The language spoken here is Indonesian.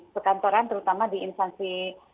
perkantoran terutama di instansi